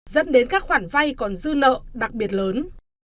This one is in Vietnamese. dẫn đến các khoản vay còn dư nợ đặc biệt lớn